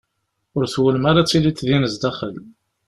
Ur twulem ara ad tiliḍ din sdaxel.